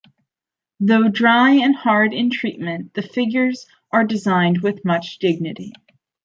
Though dry and hard in treatment, the figures are designed with much dignity.